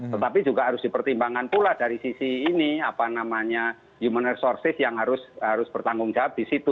tetapi juga harus dipertimbangkan pula dari sisi ini apa namanya human resources yang harus bertanggung jawab di situ